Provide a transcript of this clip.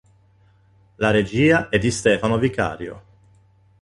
La regia è di Stefano Vicario.